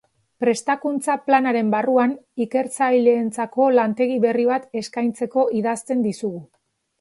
Prestakuntza Planaren barruan Ikertzaileentzako lantegi berri bat eskaintzeko idazten dizugu.